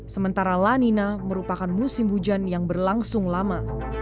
sementara la nina merupakan musim hujan yang berlangsung lama